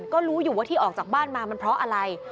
ก็รู้อยู่ว่าที่ออกจากบ้านมามันเพราะอะไร